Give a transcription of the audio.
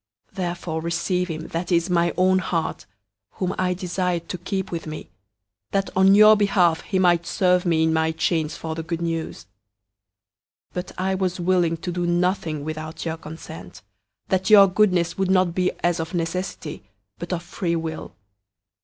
Therefore receive him, that is, my own heart, 001:013 whom I desired to keep with me, that on your behalf he might serve me in my chains for the Good News. 001:014 But I was willing to do nothing without your consent, that your goodness would not be as of necessity, but of free will.